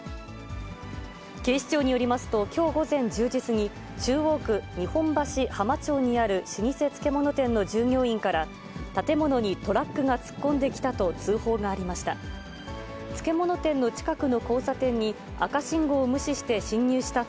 警視庁によりますと、きょう午前１０時過ぎ、中央区日本橋浜町にある老舗漬物店の従業員から、建物にトラックが突っ込んできたと通報がありました。